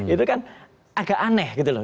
itu kan agak aneh gitu loh